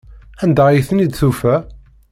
Anda ay ten-id-tufa?